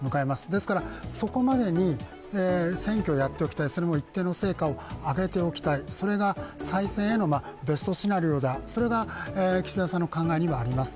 ですからそこまでに選挙をやっておきたい、それも一定の成果を上げておきたい、それが再選へのベストシナリオだそれが岸田さんの考えにはあります。